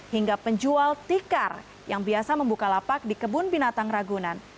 hingga penjual tikar yang biasa membuka lapak di kebun binatang ragunan